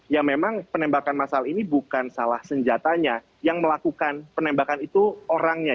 ya memang penembakan masal ini bukan salah senjatanya yang melakukan penembakan itu orangnya